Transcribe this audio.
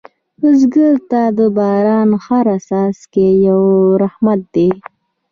بزګر ته د باران هره څاڅکې یو رحمت دی